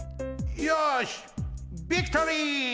よしビクトリー！